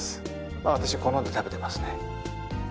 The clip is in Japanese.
まあ私好んで食べてますね。